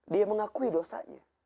dia mengakui dosanya